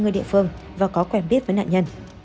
người địa phương và có quen biết với nạn nhân